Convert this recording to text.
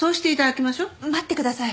待ってください。